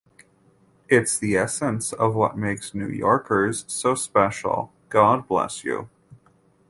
It’s the essence of what makes New Yorkers so special. God bless you.